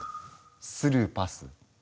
スルーパス？